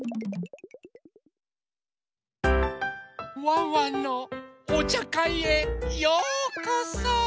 ワンワンのおちゃかいへようこそ！